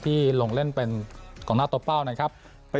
ลงเล่นเป็นกองหน้าตัวเป้านะครับ